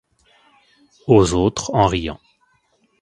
Aux autres, en riant.